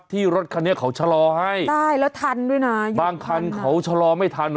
รถคันนี้เขาชะลอให้ใช่แล้วทันด้วยนะบางคันเขาชะลอไม่ทันอ่ะ